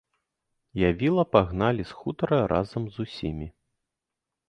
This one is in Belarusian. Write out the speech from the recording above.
Я віла пагналі з хутара разам з усімі.